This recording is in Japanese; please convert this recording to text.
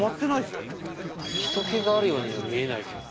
人けがあるようには見えないけど。